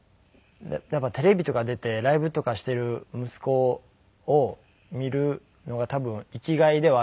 やっぱりテレビとか出てライブとかしている息子を見るのが多分生きがいではあるので。